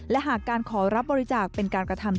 และหากการขอรับบริจาคเป็นการกระทำ